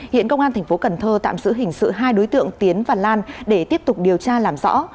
hiện công an thành phố cần thơ tạm giữ hình sự hai đối tượng tiến và lan để tiếp tục điều tra làm rõ